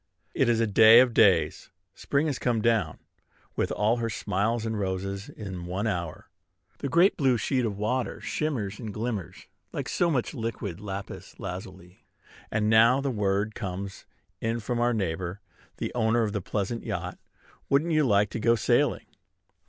It is a day of days. Spring has come down with all her smiles and roses in one hour. The great blue sheet of water shimmers and glitters like so much liquid lapis lazuli; and now the word comes in from our neighbor, the owner of the pleasure yacht, "Wouldn't you like to go sailing?"